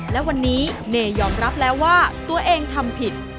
และวันนี้เนยอมรับแล้วว่าตัวเองทำผิด